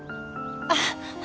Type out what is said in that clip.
あっ。